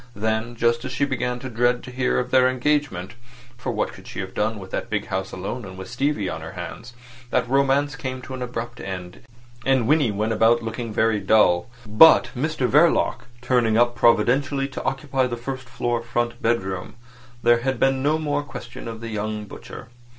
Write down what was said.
Then just as she began to dread to hear of their engagement (for what could she have done with that big house alone, with Stevie on her hands), that romance came to an abrupt end, and Winnie went about looking very dull. But Mr Verloc, turning up providentially to occupy the first floor front bedroom, there had been no more question of the young butcher.